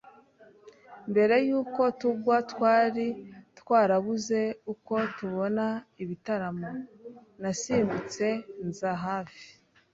mbere yuko tugwa twari twarabuze uko tubona ibitaramo. Nasimbutse nza hafi